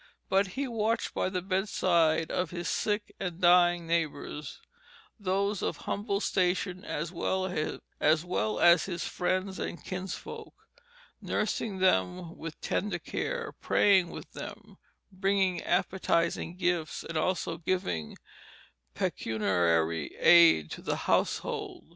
But he watched by the bedside of his sick and dying neighbors, those of humble station as well as his friends and kinsfolk, nursing them with tender care, praying with them, bringing appetizing gifts, and also giving pecuniary aid to the household.